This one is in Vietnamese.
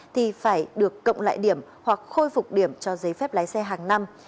thì phải được cộng lại điểm hoặc khôi phục điểm cho giấy phép lái xe hàng năm